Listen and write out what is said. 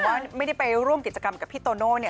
ว่าไม่ได้ไปร่วมกิจกรรมกับพี่โตโน่เนี่ย